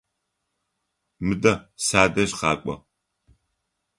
Мыдэ садэжь къакӏо!